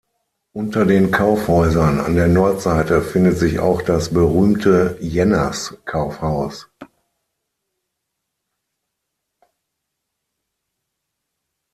Unter den Kaufhäusern an der Nordseite findet sich auch das berühmte Jenners-Kaufhaus.